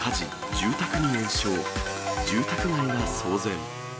住宅街が騒然。